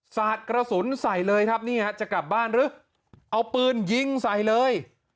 สาดกระสุนใส่เลยครับนี่ฮะจะกลับบ้านหรือเอาปืนยิงใส่เลย